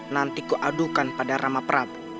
nanti ku adukan pada rama prabu